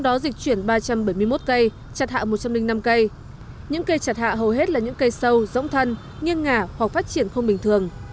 đó dịch chuyển ba trăm bảy mươi một cây chặt hạ một trăm linh năm cây những cây chặt hạ hầu hết là những cây sâu rỗng thân nghiêng ngả hoặc phát triển không bình thường